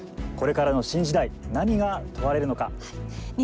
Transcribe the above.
これからの新時代何が問われるのか。